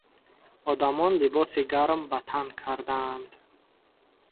Одамон либоси гарм ба тан кардаанд.